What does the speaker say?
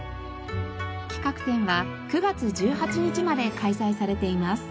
企画展は９月１８日まで開催されています。